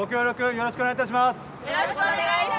よろしくお願いします。